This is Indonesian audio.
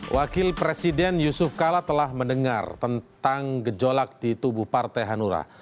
wakil presiden yusuf kala telah mendengar tentang gejolak di tubuh partai hanura